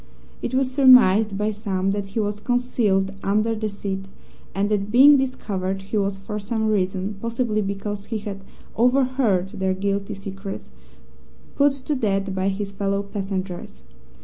It was surmised, by some, that he was concealed under the seat, and that, being discovered, he was for some reason, possibly because he had overheard their guilty secrets, put to death by his fellow passengers.